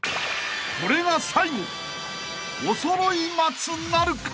［これが最後おそろい松なるか？］